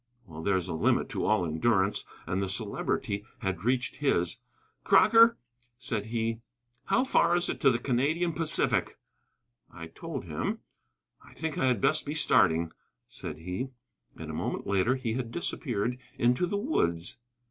Well, there is a limit to all endurance, and the Celebrity had reached his. "Crocker," he said, "how far is it to the Canadian Pacific?" I told him. "I think I had best be starting," said he. And a moment later he had disappeared into the woods.